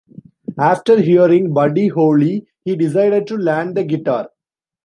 After hearing Buddy Holly, he decided to learn the guitar.